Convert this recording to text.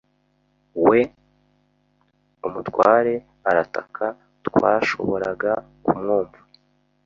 we? ” umutware arataka. Twashoboraga kumwumva